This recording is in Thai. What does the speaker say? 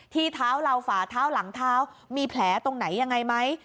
เท้าเราฝาเท้าหลังเท้ามีแผลตรงไหนยังไงไหม